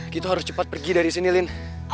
kita harus cepat pergi dari sini lin